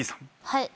はい。